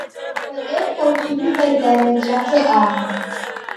Odeka ukiw'ika igare jake aha.